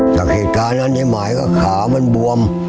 จากเหตุการณ์นั้นในหมายก็ขามันบวม